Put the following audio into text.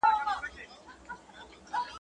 خوب مي وتښتي ستا خیال لکه غل راسي.